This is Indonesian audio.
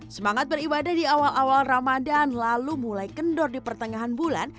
semangat beribadah di awal awal ramadan lalu mulai kendor di pertengahan bulan